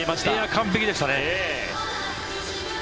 完璧でしたね。